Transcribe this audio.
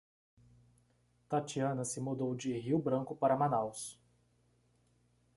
Tatiana se mudou de Rio Branco para Manaus.